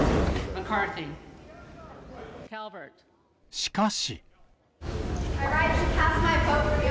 しかし。